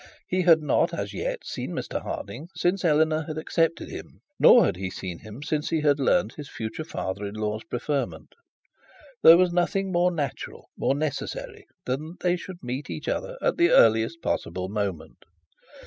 He had not as yet seen Mr Harding since Eleanor had accepted him, nor had he seen him since he had learnt of his future father in law's preferment. There was nothing more natural, more necessary, than that they should meet each other at the earliest possible moment.